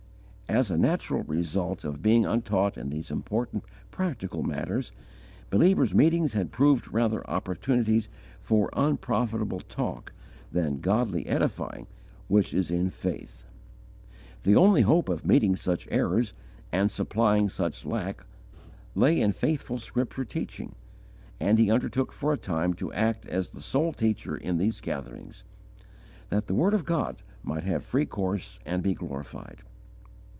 As a natural result of being untaught in these important practical matters, believers' meetings had proved rather opportunities for unprofitable talk than godly edifying which is in faith. The only hope of meeting such errors and supplying such lack lay in faithful scripture teaching, and he undertook for a time to act as the sole teacher in these gatherings, that the word of God might have free course and be glorified.